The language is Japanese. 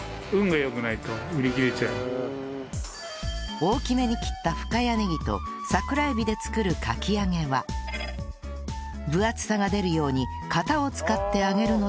大きめに切った深谷ねぎと桜海老で作るかき揚げは分厚さが出るように型を使って揚げるのですが